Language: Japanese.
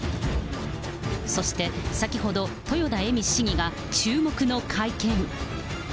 そして、先ほど豊田恵美市議が注目の会見。